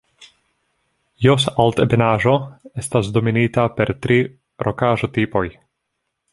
Jos-Altebenaĵo estas dominita per tri rokaĵo-tipoj.